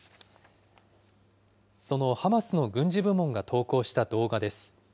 そのハマスの軍事部門が投稿した動画です。